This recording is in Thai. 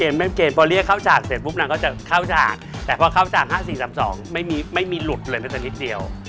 แม่เกดพอเรียกเข้าฉากเสร็จปุ๊บนางก็จะเข้าฉากแต่พอเข้าจาก๕๔๓๒ไม่มีหลุดเลยแม้แต่นิดเดียว